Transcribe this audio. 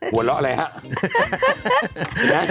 หัวเราะอะไรฮะ